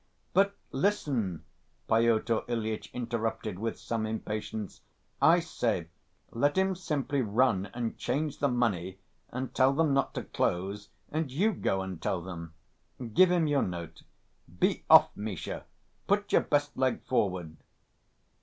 "But listen!" Pyotr Ilyitch interrupted with some impatience. "I say, let him simply run and change the money and tell them not to close, and you go and tell them.... Give him your note. Be off, Misha! Put your best leg forward!"